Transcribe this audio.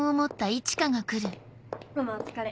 ママお疲れ。